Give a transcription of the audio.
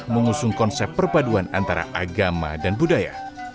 mengusung konsep perpaduan antara agama dan budaya